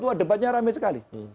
wah debatnya rame sekali